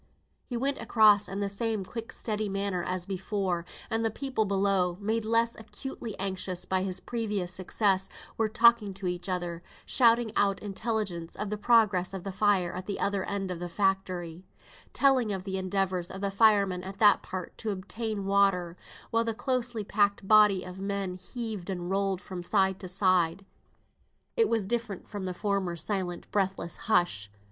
He went across in the same quick steady manner as before, and the people below, made less acutely anxious by his previous success, were talking to each other, shouting out intelligence of the progress of the fire at the other end of the factory, telling of the endeavours of the firemen at that part to obtain water, while the closely packed body of men heaved and rolled from side to side. It was different from the former silent breathless hush.